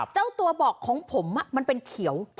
เจ้าตัวบอกของผมมันเป็นเขียว